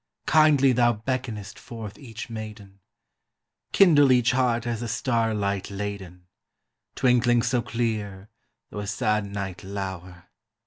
Kindly thou beckonest forth each maiden; Kindle each heart as a star light laden, Twinkling so clear, though a sad night lower!